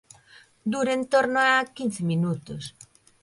Dura en torno a quince minutos.